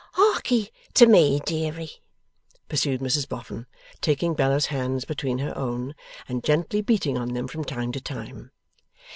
'Harkee to me, deary,' pursued Mrs Boffin, taking Bella's hands between her own, and gently beating on them from time to time.